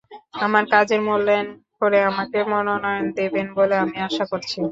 আমার কাজের মূল্যায়ন করে আমাকে মনোনয়ন দেবেন বলে আমি আশা করছি।